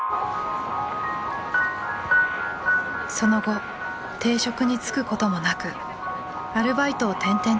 その後定職に就くこともなくアルバイトを転々とする日々。